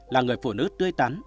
là người phụ nữ tươi tắn